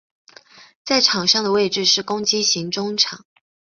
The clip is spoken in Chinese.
在场上的位置是攻击型中场。